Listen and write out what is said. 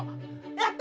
やった！